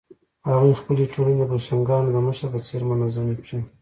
هغوی خپلې ټولنې د بوشونګانو د مشر په څېر منظمې کړې.